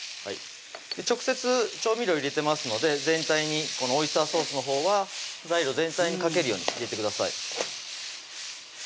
直接調味料入れてますので全体にオイスターソースのほうは材料全体にかけるように入れてください